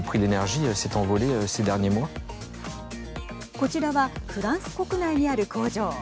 こちらはフランス国内にある工場。